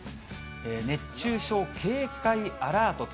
熱中症警戒アラートと。